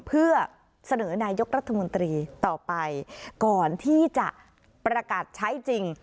เพื่อเสนอนายกรัฐมนตรีต่อไปก่อนที่จะประกาศใช้จริง